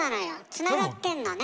つながってんのね。